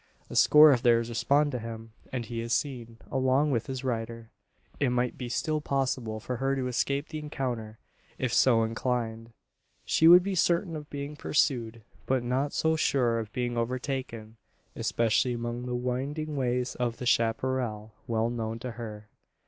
A score of theirs respond to him; and he is seen, along with his rider. It might be still possible for her to escape the encounter, if so inclined. She would be certain of being pursued, but not so sure of being overtaken especially among the winding ways of the chapparal, well known to her.